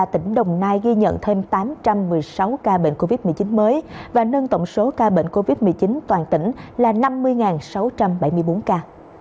tỉnh đồng nai ghi nhận thêm tám trăm một mươi sáu ca bệnh covid một mươi chín mới và nâng tổng số ca bệnh covid một mươi chín toàn tỉnh là năm mươi sáu trăm bảy mươi bốn ca